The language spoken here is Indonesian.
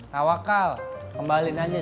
tawakal kembalin aja